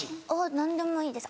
何でもいいです